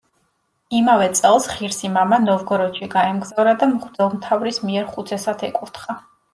იმავე წელს ღირსი მამა ნოვგოროდში გაემგზავრა და მღვდელმთავრის მიერ ხუცესად ეკურთხა.